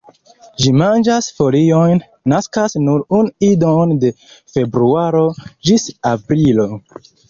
Ĝi manĝas foliojn, naskas nur unu idon de februaro ĝis aprilo.